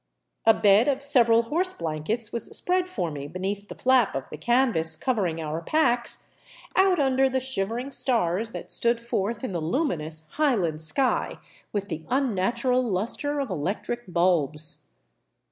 A bed of several horse blankets was spread for me beneath the flap of the canvas covering our packs, out under the shivering stars that stood forth in the luminous highland sky with the unnatural luster of electric bulbs.